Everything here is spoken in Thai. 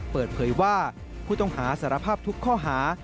เปิดเผยว่าผู้ต้องหาสารภาพทุกข้อหา